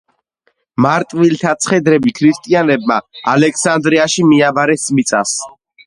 მარტვილთა ცხედრები ქრისტიანებმა ალექსანდრიაში მიაბარეს მიწას.